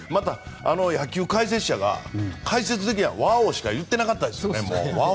野球解説者がワーオ！しか言ってなかったんですよね。